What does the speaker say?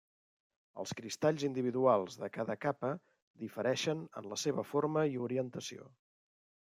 Els cristalls individuals de cada capa difereixen en la seva forma i orientació.